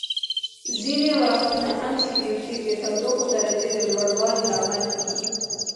ځینې وختونه انټي بیوټیک د تودوخې درجې د لوړوالي لامل کیږي.